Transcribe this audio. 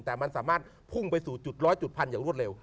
แต่มันสามารถพุ่งไปสู่จุดร้อยจุดพันอย่างรวดเร็ว